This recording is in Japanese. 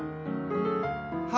は